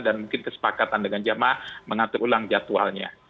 dan mungkin kesepakatan dengan jamaah mengatur ulang jadwalnya